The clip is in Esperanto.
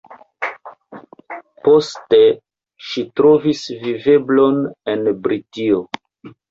Poste ŝi trovis viveblon en Britio.